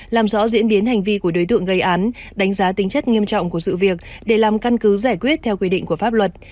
làm rõ diễn biến hành vi của đối tượng gây án đánh giá tính chất nghiêm trọng của sự việc để làm căn cứ giải quyết theo quy định của pháp luật